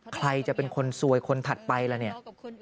ใครจะเป็นคนซวยคนถัดไปล่ะเนี่ย